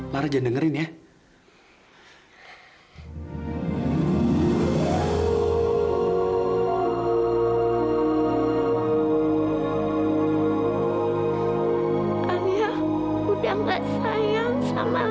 lara jangan dengerin ya